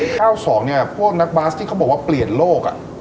ข้าวสองเนี่ยพวกนักบาสที่เขาบอกว่าเปลี่ยนโลก